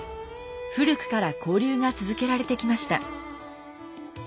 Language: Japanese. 古くから交流が続けられてきました。